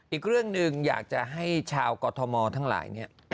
อีกเรื่องหนึ่งอยากจะให้ชาวกรทมทั้งหลายเนี่ย